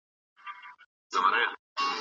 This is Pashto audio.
دا کاڼي به لعلونه سي ، دا بوټي به لونګ سي